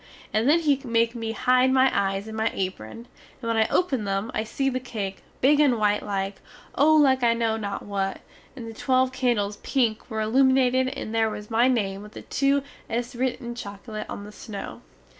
And then he make me hide my eyes in my apron, and when I open them, I see the cake, big and white like oh like I know not what and the twelve candles pink were illuminated and there was my name with the two es writ in chocolate on the snow.